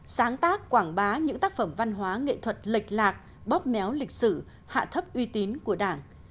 sáng tác quảng bá những tác phẩm văn hóa nghệ thuật lệch lạc bóp méo lịch sử hạ thấp uy tín của đảng